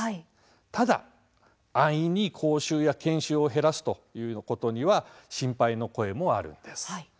ただ、安易に講習や研修を減らすということには心配の声もあります。